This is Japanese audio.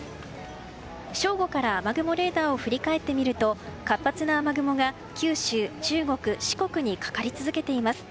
正午から雨雲レーダーを振り返ってみると活発な雨雲が九州、中国、四国にかかり続けています。